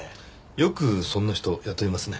よくそんな人を雇いますね。